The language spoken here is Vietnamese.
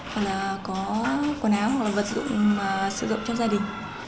hoặc là có quần áo hoặc là vật sử dụng sử dụng trong gia đình